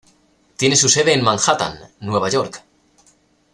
Tiene su sede en Manhattan, Nueva York.